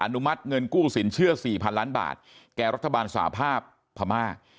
นุมัติเงินกู้สินเชื่อ๔๐๐ล้านบาทแก่รัฐบาลสาภาพพม่า